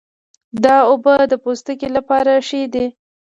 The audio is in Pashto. دا اوبه د پوستکي لپاره ښې دي.